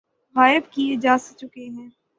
غائب کئے جا چکے ہیں